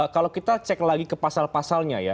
kalau kita cek lagi ke pasal pasalnya ya